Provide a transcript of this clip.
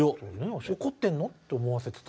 怒ってんの？って思わせてた。